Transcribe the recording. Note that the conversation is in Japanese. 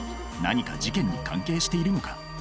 何か事件に関係しているのか？